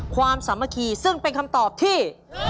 สามัคคีซึ่งเป็นคำตอบที่